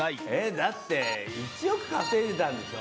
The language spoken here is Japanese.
だって１億稼いでたんでしょ？